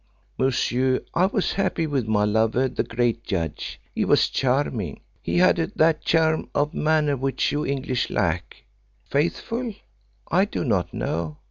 "Monsieur, I was happy with my lover, the great judge. He was charming. He had that charm of manner which you English lack. Faithful? I do not know.